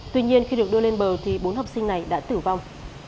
tuy nhiên khi được đưa lên bờ thì bốn học sinh này đã tử vong